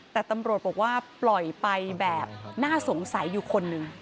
แต่ตำรวจบอกว่าปล่อยไปแบบน่าสงสัยอยู่คนหนึ่ง